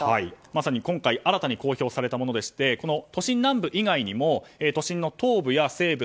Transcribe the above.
まさに今回新たに公表されたものでして都心南部以外にも都心の東部や西部